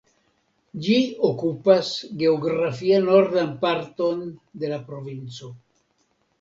Ĝi okupas geografie nordan parton de la provinco.